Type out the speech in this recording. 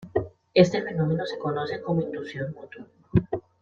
Este fenómeno se conoce como inducción mutua.